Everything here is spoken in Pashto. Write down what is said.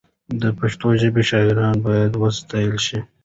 د پښتو ژبې شاعران باید وستایل شي.